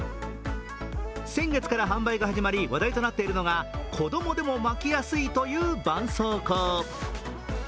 先月から販売が始まり話題となっているのが子供でも巻きやすいという絆創膏。